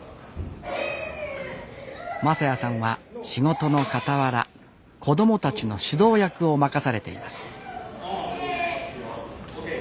正弥さんは仕事のかたわら子どもたちの指導役を任されています